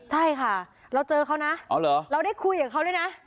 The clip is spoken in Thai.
ใช่ค่ะเราเจอเขานะเราได้คุยกับเขาด้วยนะ